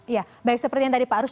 ya baik seperti yang tadi pak arus